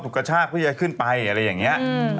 ถูกกระชากขึ้นไปอะไรอย่างนี้